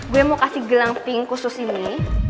gue mau kasih gelang pink khusus ini